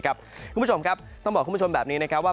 คุณผู้ชมครับต้องบอกคุณผู้ชมแบบนี้นะครับว่า